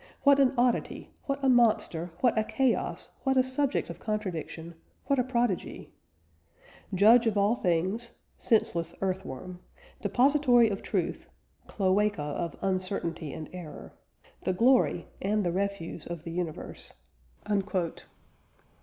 What an oddity, what a monster, what a chaos, what a subject of contradiction, what a prodigy! Judge of all things, senseless earth worm; depository of truth, cloaca of uncertainty and error; the glory and the refuse of the universe."